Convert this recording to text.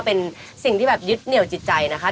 เป็นสิ่งที่แบบยึดเหนียวจิตใจนะคะ